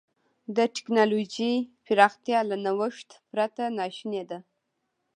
د ټکنالوجۍ پراختیا له نوښت پرته ناشونې ده.